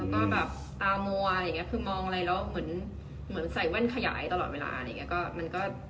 แล้วก็แบบตามัวคือมองอะไรแล้วเหมือนใส่แว่นขยายตลอดเวลา